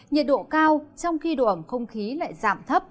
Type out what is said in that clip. nhiệt độ cao trong khi độ ẩm không khí lại giảm thấp